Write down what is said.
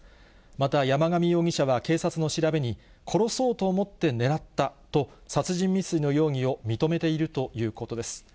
また山上容疑者は警察の調べに、殺そうと思って狙ったと、殺人未遂の容疑を認めているということです。